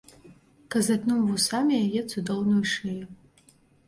Казытнуў вусамі яе цудоўную шыю.